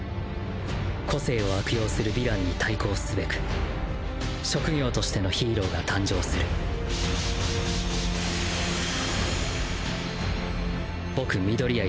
個性を悪用するヴィランに対抗すべく職業としてのヒーローが誕生する僕緑谷